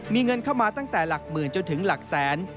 มีเงินเข้ามาตั้งแต่หลักหมื่นจนถึงหลักแสน